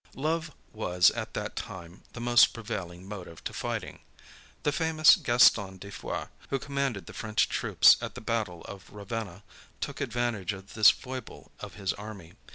Love, was at that time, the most prevailing motive to fighting. The famous Gaston de Foix, who commanded the French troops at the battle of Ravenna, took advantage of this foible of his army.